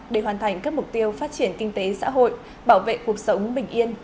để hoàn thành các mục tiêu phát triển kinh tế xã hội bảo vệ cuộc sống bình yên